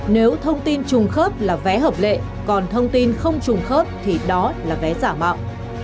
nếu thông tin trùng khớp là vé hợp lệ còn thông tin không trùng khớp thì đó là vé giả mạo